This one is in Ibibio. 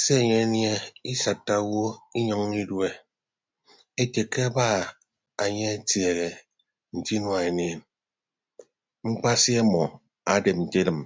Se enye anie isatta awo inyʌññọ idue ete ke aba enye atieehe nte inua eniin mkpasi ọmọ adep nte edịm.